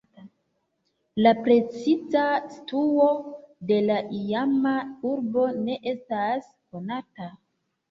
La preciza situo de la iama urbo ne estas konata.